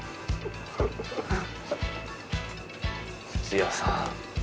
土屋さん